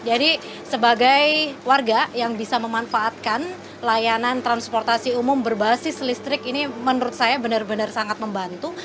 jadi sebagai warga yang bisa memanfaatkan layanan transportasi umum berbasis listrik ini menurut saya benar benar sangat membantu